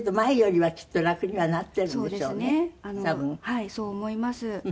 はいそう思います。